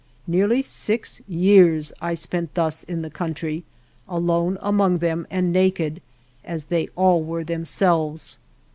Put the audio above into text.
Nearly six years I spent thus in the coun try, alone among them and naked, as they all were themselves.